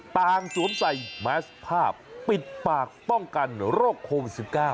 ต่างสวมใส่แม็กซ์ภาพปิดปากป้องกันโรคโครง๑๙